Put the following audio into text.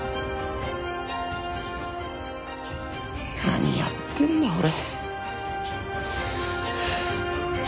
何やってんだ俺。